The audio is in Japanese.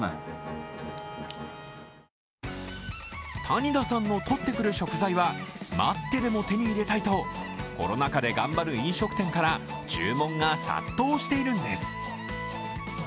谷田さんのとってくる食材は待ってでも手に入れたいとコロナ禍で頑張る飲食店から注文が殺到しているんです。